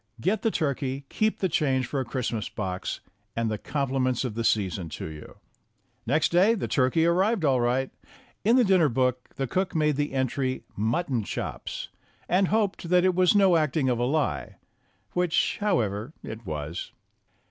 Get the turkey, keep the change for a Christmas box, and the compliments of the season to you." Next day the turkey arrived all right. In the dinner book the cook made the entry "Muton chopes," and hoped that it was no acting of a lie which, however, it was.